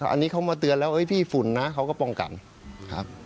อันนี้เขามาเตือนแล้วพี่ฝุ่นนะเขาก็ป้องกันครับ